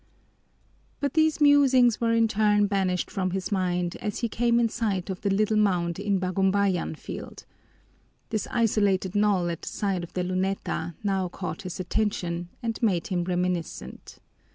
But these musings were in turn banished from his mind as he came in sight of the little mound in Bagumbayan Field. This isolated knoll at the side of the Luneta now caught his attention and made him reminiscent.